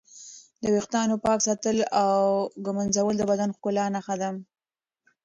د ویښتانو پاک ساتل او ږمنځول د بدن د ښکلا نښه ده.